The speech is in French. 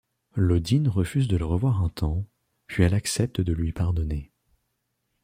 Laudine refuse de le revoir un temps, puis elle accepte de lui pardonner.